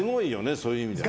そういう意味でね。